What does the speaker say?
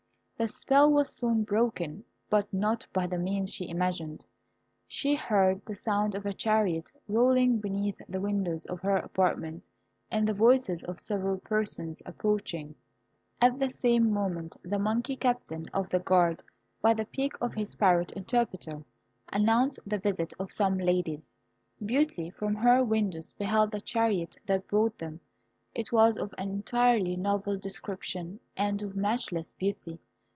The spell was soon broken, but not by the means she imagined. She heard the sound of a chariot rolling beneath the windows of her apartment, and the voices of several persons approaching. At the same moment the monkey Captain of the Guard, by the beak of his parrot Interpreter, announced the visit of some ladies. Beauty, from her windows, beheld the chariot that brought them. It was of an entirely novel description, and of matchless beauty.